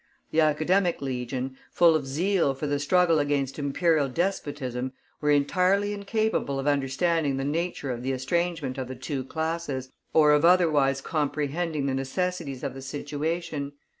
The Academic Legion, full of zeal for the struggle against imperial despotism, were entirely incapable of understanding the nature of the estrangement of the two classes, or of otherwise comprehending the necessities of the situation.